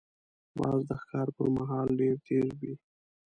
باز د ښکار پر مهال ډېر تیز وي